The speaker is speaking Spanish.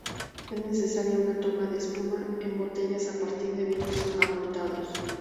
Es necesaria una toma de espuma en botellas a partir de vinos afrutados.